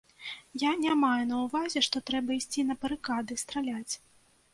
Я не маю на ўвазе, што трэба ісці на барыкады, страляць.